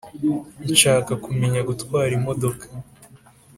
nshaka kumenya gutwara imodoka